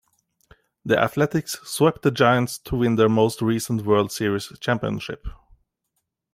The Athletics swept the Giants to win their most recent World Series championship.